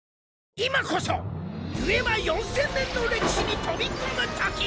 今こそデュエマ４０００年の歴史に飛び込むとき。